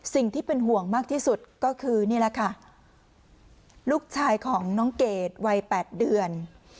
สิ่งที่เป็นห่วงมากที่สุดก็คือนี่แหละค่ะลูกชายของน้องเกดวัย๘เดือน